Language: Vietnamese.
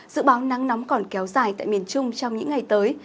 dự báo nắng nóng còn kéo dài tại miền trung trong những ngày tới